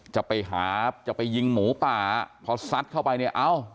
จะไปหาจะไปยิงหมูป่าพอซัดเข้าไปเนี่ยเอ้า